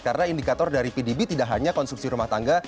karena indikator dari pdb tidak hanya konsumsi rumah tangga